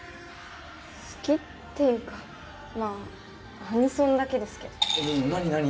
好きっていうかまあアニソンだけですけど何なに？